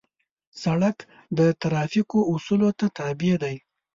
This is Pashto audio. سړک د ترافیکو اصولو ته تابع دی.